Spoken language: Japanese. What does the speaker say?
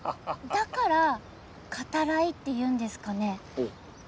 だからカタライっていうんですかね？